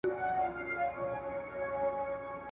لومړی مطلب ـ داسلامي حكومت پيژندنه: